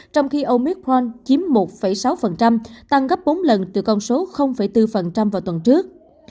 trong khi omicron chiếm một sáu tăng gấp bốn lần từ con số bốn vào tuần trước